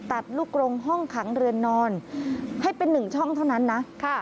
ตัดลูกกรงห้องขังเรือนนอนให้เป็นหนึ่งช่องเท่านั้นนะ